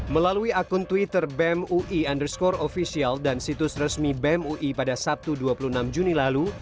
melalui akun twitter bemui underscore official dan situs resmi bemui pada sabtu dua puluh enam juni lalu